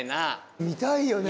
見たいよね。